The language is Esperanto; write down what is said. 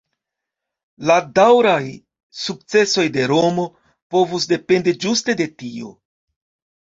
La daŭraj sukcesoj de Romo povus dependi ĝuste de tio.